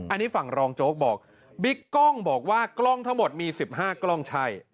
อันนี้ฝั่งรองโจ๊กบอกบิ๊กกล้องบอกว่ากล้องทั้งหมดมี๑๕กล้องใช่